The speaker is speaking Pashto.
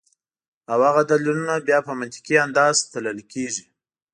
او هغه دليلونه بیا پۀ منطقي انداز تللے کيږي